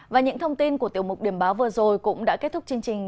và những thông tin của tiểu mục điểm báo vừa rồi cũng đã kết thúc chương trình